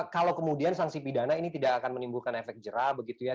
kalau kemudian sanksi pidana ini tidak akan menimbulkan efek jerah begitu ya